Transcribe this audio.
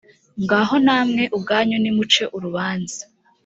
ngaho namwe ubwanyu nimuce urubanza